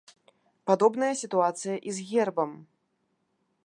Падобная сітуацыя і з гербам.